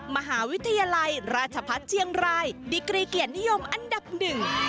มหาวิทยาลัยราชพัฒน์เชียงรายดิกรีเกียรตินิยมอันดับหนึ่ง